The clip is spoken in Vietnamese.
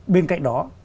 bên cạnh đó